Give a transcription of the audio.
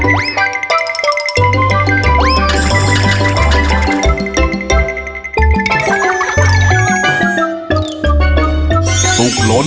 เบอร์พร้อมลำวัย